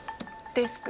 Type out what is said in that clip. デスク。